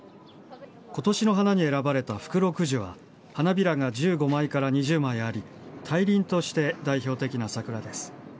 今年の花に選ばれた福禄寿は花びらが１５枚から２０枚あり大輪として代表的な桜です。